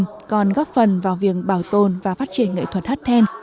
nghệ nhân góp phần vào việc bảo tồn và phát triển nghệ thuật hát then